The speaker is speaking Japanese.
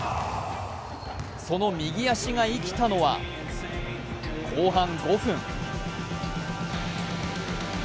その右足が生きたのは後半５分。